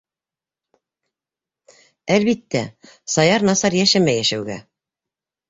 Әлбиттә, Саяр насар йәшәмәй йәшәүгә.